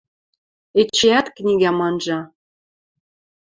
Эчеӓт книгӓм анжа.